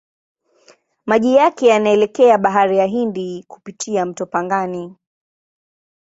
Maji yake yanaelekea Bahari ya Hindi kupitia mto Pangani.